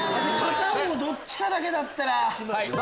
どっちかだけだったら。